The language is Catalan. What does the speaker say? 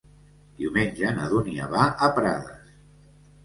Diumenge na Dúnia va a Prades.